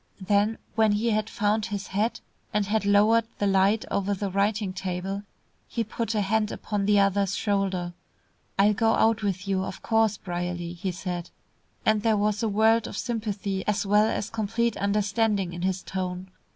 Then when he had found his hat, and had lowered the light over the writing table, he put a hand upon the other's shoulder. "I'll go out with you, of course, Brierly," he said, and there was a world of sympathy, as well as complete understanding in his tone.